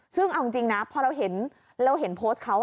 ซึ่งเอาจริงนะพอเราเห็นโพสต์เขา